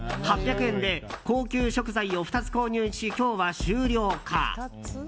８００円で高級食材を２つ購入し今日は終了か。